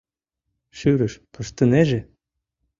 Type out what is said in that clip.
Шӱрыш пыштынеже.